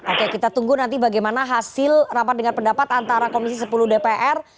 oke kita tunggu nanti bagaimana hasil rapat dengan pendapat antara komisi sepuluh dpr